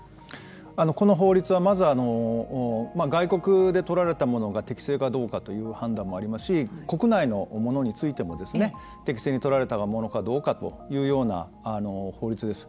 この法律はまず外国で取られたものが適正かどうかという判断もありますし国内のものについても適正に取られたものかどうかというような法律です。